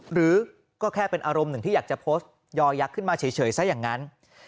หรือก็แค่เป็นอารมณ์หนึ่งที่อยากจะโพสต์ยอยักษ์ขึ้นมาเฉยซะอย่างนั้น